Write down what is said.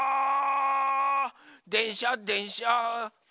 「でんしゃでんしゃ」